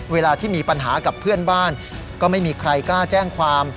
เวลาที่มีปัญหากับเพื่อนบ้านก็ไม่มีใครกล้าแจ้งความ